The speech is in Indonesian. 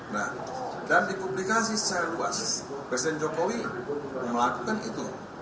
nah dan dipublikasi secara luas presiden jokowi melakukan itu